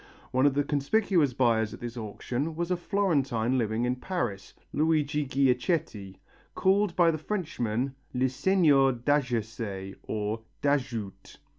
One of the conspicuous buyers at this auction was a Florentine living in Paris, Luigi Ghiacceti, called by the Frenchmen le seigneur d'Adjacet or d'Adjoute.